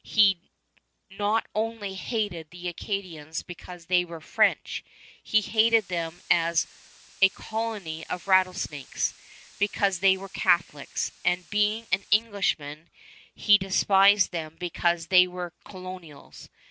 He not only hated the Acadians because they were French; he hated them as "a colony of rattlesnakes" because they were Catholics; and being an Englishman, he despised them because they were colonials.